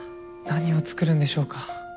何を作るんでしょうか？